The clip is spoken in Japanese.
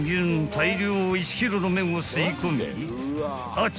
［大量１ｋｇの麺を吸い込みあっ